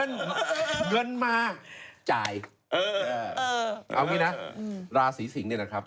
เงินมาจ่ายราศรีสิงหรือนี่นะครับ